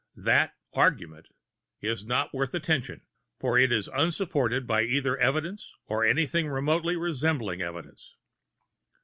That "argument" is not worth attention, for it is unsupported by either evidence or anything remotely resembling evidence.